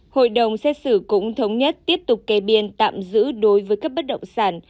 hội đồng xét xử cũng thống nhất tiếp tục kê biên tạm giữ đối với các bất động sản